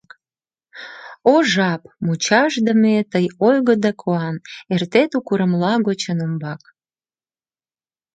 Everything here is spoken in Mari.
О, жап, мучашдыме, тый, ойго да куан, Эртет у курымла гочын умбак.